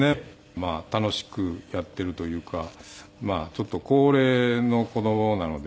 まあ楽しくやっているというかまあちょっと高齢の子供なのでね